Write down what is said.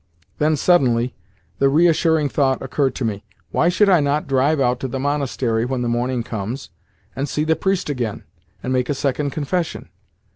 Then suddenly the reassuring thought occurred to me: "Why should I not drive out to the monastery when the morning comes, and see the priest again, and make a second confession?"